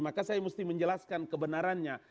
maka saya mesti menjelaskan kebenarannya